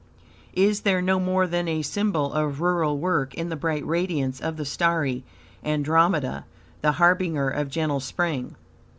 Is there no more than a symbol of rural work in the bright radiance of the starry Andromeda, the harbinger of gentle spring?